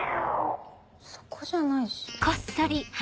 そこじゃないし。